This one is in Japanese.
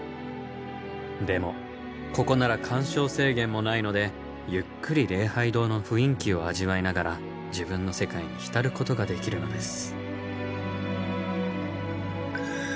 でもここなら鑑賞制限もないのでゆっくり礼拝堂の雰囲気を味わいながら自分の世界に浸ることができるのです。